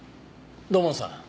土門さん。